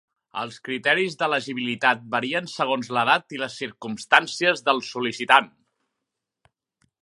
Els criteris d'elegibilitat varien segons l'edat i les circumstàncies del sol·licitant.